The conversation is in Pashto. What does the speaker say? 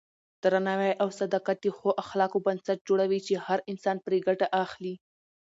درناوی او صداقت د ښو اخلاقو بنسټ جوړوي چې هر انسان پرې ګټه اخلي.